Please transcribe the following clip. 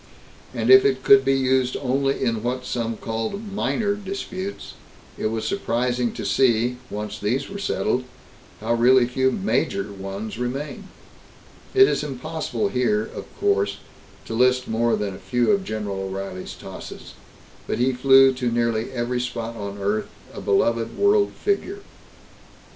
And if it could be used only in what some called "minor" disputes, it was surprising to see, once these were settled, how really few "major" ones remained. It is impossible here, of course, to list more than a few of General O'Reilly's tosses, but he flew to nearly every spot on earth, a beloved world figure.